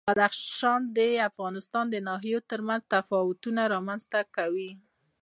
بدخشان د افغانستان د ناحیو ترمنځ تفاوتونه رامنځ ته کوي.